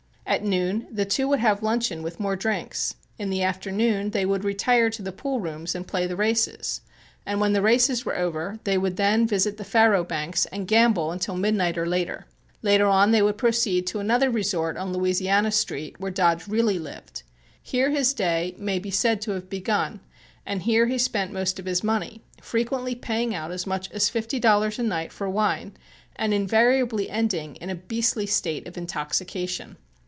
At noon the two would have luncheon with more drinks. In the afternoon they would retire to the pool rooms and play the races, and, when the races were over, they would then visit the faro banks and gamble until midnight or later. Later on they would proceed to another resort on Louisiana Street where Dodge really lived. Here his day may be said to have begun and here he spent most of his money, frequently paying out as much as fifty dollars a night for wine and invariably ending in a beastly state of intoxication.